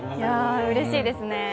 うれしいですね。